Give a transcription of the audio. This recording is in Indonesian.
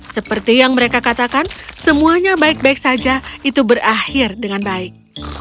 seperti yang mereka katakan semuanya baik baik saja itu berakhir dengan baik